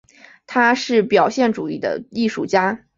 他是表现主义的艺术家。